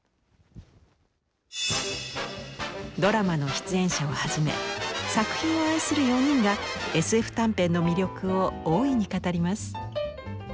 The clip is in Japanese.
ドラマの出演者をはじめ作品を愛する４人がＳＦ短編の魅力を大いに語ります。